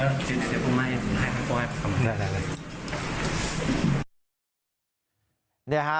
เดี๋ยวผมมาให้ผมให้พ่อให้ประมาณนั้น